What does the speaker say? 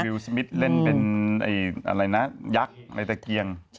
สมิทเล่นเป็นอะไรนะยักษ์ในตะเกียง